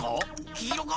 きいろか？